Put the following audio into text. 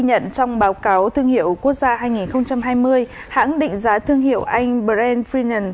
nhận trong báo cáo thương hiệu quốc gia hai nghìn hai mươi hãng định giá thương hiệu anh brand finance